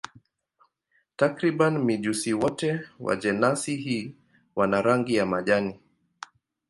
Takriban mijusi wote wa jenasi hii wana rangi ya majani.